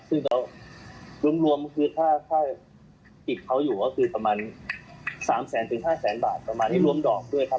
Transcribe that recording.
ซึ่งเรารวมคือถ้าติดเขาอยู่ก็คือประมาณ๓แสนถึง๕แสนบาทประมาณนี้รวมดอกด้วยครับ